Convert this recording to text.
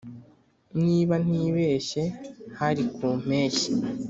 niba ntibeshye hari ku mpeshyi